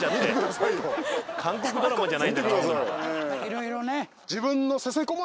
まあいろいろね。